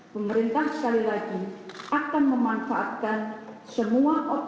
pemerintah sekali lagi akan memanfaatkan semua operasi